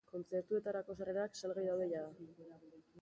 Kontzertuetarako sarrerak salgai daude jada.